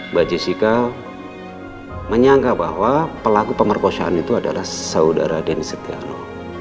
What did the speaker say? mbak jessica menyangka bahwa pelaku pemerkosaan itu adalah saudara denny setiano